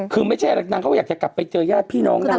คือไม่ใช่อะไรนางเขาอยากจะกลับไปเจอญาติพี่น้องนาง